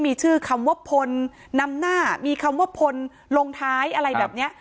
มีชื่อคำว่าพลนำหน้ามีคำว่าพลลงท้ายอะไรแบบนี้